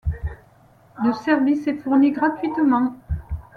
Le service est fourni gratuitement.